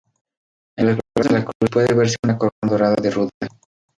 Entre los brazos de la cruz puede verse una corona dorada de ruda.